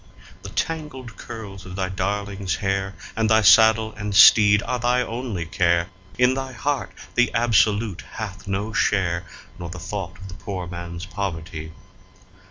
The tangled curls of thy darling's hair, and thy saddle and teed are thy only care; In thy heart the Absolute hath no share, nor the thought of the poor man's poverty.